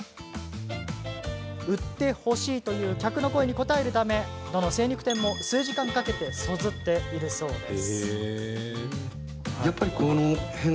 売ってほしいという客の声に応えるためどの精肉店も数時間かけそずっているそうです。